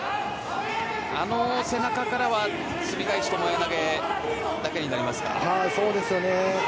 あの背中からはすみ返し、ともえ投げだけになるか。